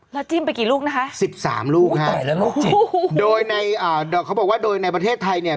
แล้วจิ้มไปกี่ลูกสิบสามลูกโดยในอ่าเขาบอกว่าโดยในประเทศไทยเนี้ย